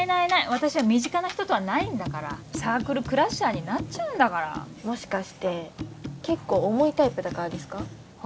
私は身近な人とはないんだからサークルクラッシャーになっちゃうんだからもしかして結構重いタイプだからですか？